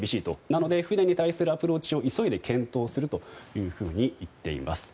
なので、船に対するアプローチを急いで検討するというふうに言っています。